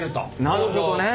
なるほどね。